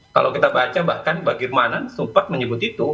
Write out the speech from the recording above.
kalau kita baca bahkan pak girmanan sempat menyebut itu